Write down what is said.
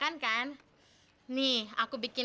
harapan punya neneknya